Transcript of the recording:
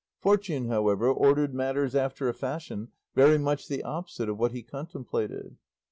Fortune, however, ordered matters after a fashion very much the opposite of what he contemplated.